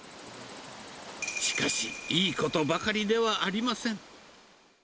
しかし、いいことばかりではありません。